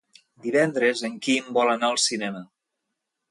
Divendres en Quim vol anar al cinema.